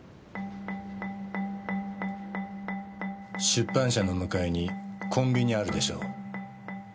出版社の向かいにコンビニあるでしょう。